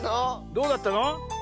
どうだったの？